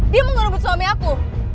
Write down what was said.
dia mau ngerubut suami aku